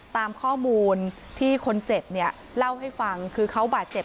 ตามข้อมูลที่คนเจ็บเนี่ยเล่าให้ฟังคือเขาบาดเจ็บ